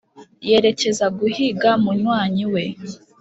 yerekeza guhiga munywanyi we